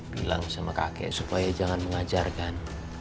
bilang sama kakek supaya jangan mengajarkan